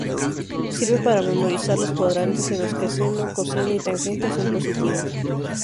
Sirve para memorizar los cuadrantes, en los que seno, coseno y tangente son positivos.